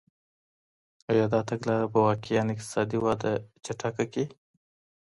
ایا دا تګلاره به واقعاً اقتصادي وده چټکه کړي؟